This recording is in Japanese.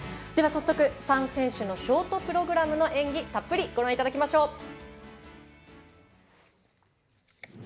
では早速、３選手のショートプログラムの演技たっぷりご覧いただきましょう。